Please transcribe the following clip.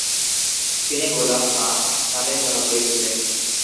তিনি গোলাপ মা নামে জনপ্রিয় ছিলেন।